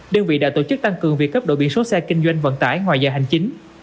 đơn vị đã tổ chức tăng cường việc cấp đổi biển số xe kinh doanh vận tải ngoài giờ hành chính